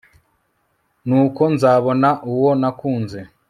nuko nzabona uwo nakunze